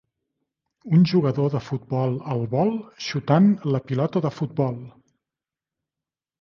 Un jugador de futbol al vol xutant la pilota de futbol